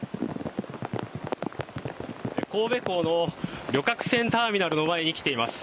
神戸港の旅客船ターミナルの前に来ています